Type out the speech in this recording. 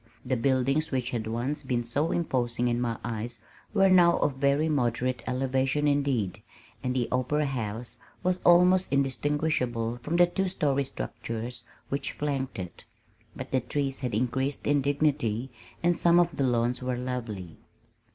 The buildings which had once been so imposing in my eyes were now of very moderate elevation indeed, and the opera house was almost indistinguishable from the two story structures which flanked it; but the trees had increased in dignity, and some of the lawns were lovely.